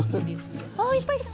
あいっぱい来た！